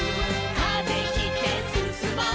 「風切ってすすもう」